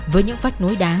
với những vách núi đá